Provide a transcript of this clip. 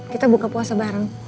kita buka puasa bareng